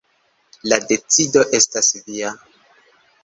La decido estas via.